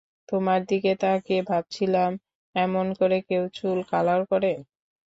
তোমার দিকে তাকিয়ে ভাবছিলাম এমন করে কেউ চুল কালার করে।